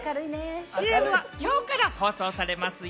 ＣＭはきょうから放送されますよ。